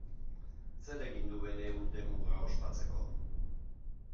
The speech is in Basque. Zer egin du bere urtemuga ospatzeko?